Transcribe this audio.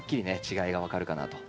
違いが分かるかなと。